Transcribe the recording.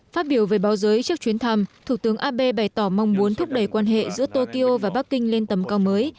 phát biểu về báo giới trước chuyến thăm thủ tướng abe bày tỏ mong muốn thúc đẩy quan hệ giữa tokyo và bắc kinh lên tầm cao mới